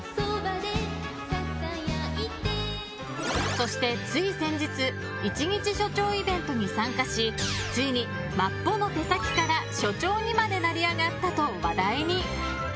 そしてつい先日一日署長イベントに参加しついに、マッポの手先から署長にまで成り上がったと話題に。